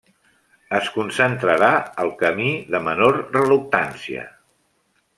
Es concentrarà al camí de menor reluctància.